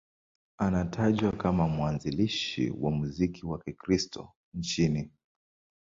Anatajwa kama mwanzilishi wa muziki wa Kikristo nchini.